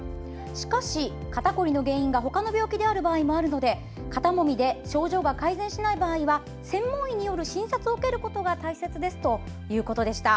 しかし、肩凝りの原因がほかの病気である場合もあるので肩もみで症状が改善しない場合は専門医による診察を受けることが大切ですということでした。